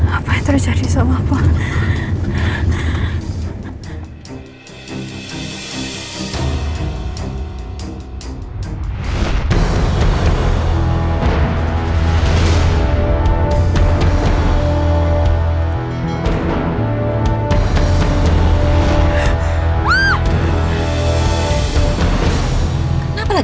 apa yang terjadi sama papa